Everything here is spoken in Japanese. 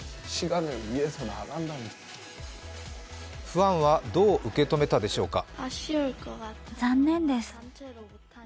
ファンはどう受け止めたでしょうか？